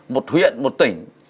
một huyện một tỉnh